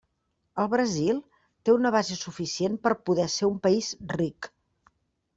El Brasil té una base suficient per poder ser un país ric.